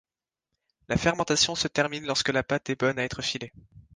La fermentation se termine lorsque la pâte est bonne à être filée.